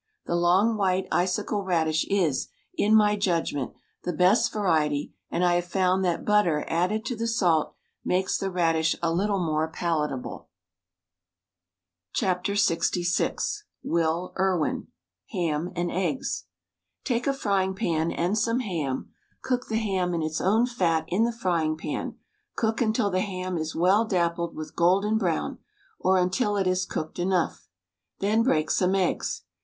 The long White Icicle radish is, in my judgment, the best variety and I have found that butter added to the salt makes the radish a little more palatable. WRITTEN FOR MEN BY MEN LXVI Will Irwin HAM AND EGGS Take a frying pan and some ham. Cook the ham in its own fat in the frying pan — cook until the ham is well dappled with golden brown, or until it is cooked enough. Then break some eggs.